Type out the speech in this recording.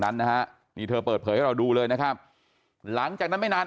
นั้นนะฮะนี่เธอเปิดเผยให้เราดูเลยนะครับหลังจากนั้นไม่นาน